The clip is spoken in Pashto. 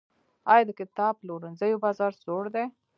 آیا د کتاب پلورنځیو بازار سوړ دی؟